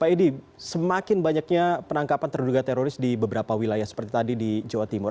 pak edi semakin banyaknya penangkapan terduga teroris di beberapa wilayah seperti tadi di jawa timur